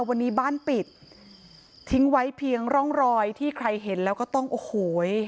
วันนี้บ้านปิดทิ้งไว้เพียงร่องรอยที่ใครเห็นแล้วก็ต้องโอ้โห